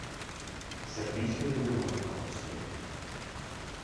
Servicio de grúa y combustible.